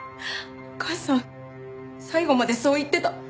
お母さん最後までそう言ってた。